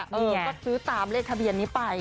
ก็ซื้อตามเลขทะเบียนนี้ไป